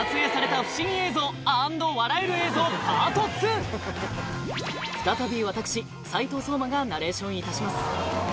ここからは再び私斉藤壮馬がナレーションいたします。